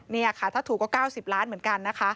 เนี่ยค่ะถูกก็๙๐ล้านเหมือนกัน